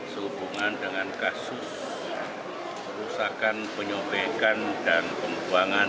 sehubungan dengan kasus perusakan penyobrekan dan pembuangan